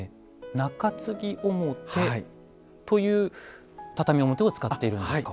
中継ぎ表という畳表を使っているんですか。